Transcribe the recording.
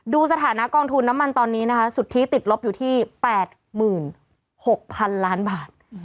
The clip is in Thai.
สถานะกองทุนน้ำมันตอนนี้นะคะสุทธิติดลบอยู่ที่๘๖๐๐๐ล้านบาท